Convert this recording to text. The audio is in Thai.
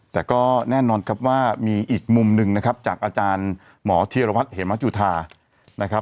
แต่ก็แน่นอนครับว่ามีอีกมุมหนึ่งนะครับจากอาจารย์หมอเทียรวรรดิเหมภจุธา